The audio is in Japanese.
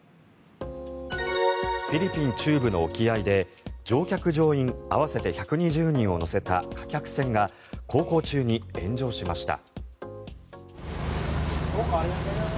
フィリピン中部の沖合で乗客・乗員合わせて１２０人を乗せた貨客船が航行中に炎上しました。